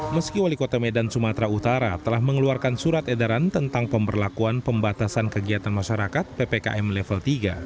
meski wali kota medan sumatera utara telah mengeluarkan surat edaran tentang pemberlakuan pembatasan kegiatan masyarakat ppkm level tiga